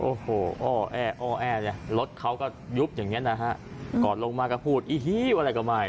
โอ้โหอ้อแอ้อแอเนี่ยรถเขาก็ยุบอย่างเงี้นะฮะก่อนลงมาก็พูดอีฮิ้วอะไรก็ไม่